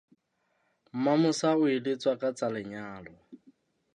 Mmamosa o eletswa ka tsa lenyalo.